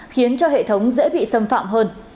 khiến cho hệ thống dễ bị xâm phạm hơn